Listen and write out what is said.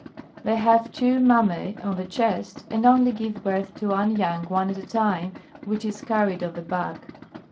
They have two mammae on the chest and only give birth to one young one at a time, which is carried on the back.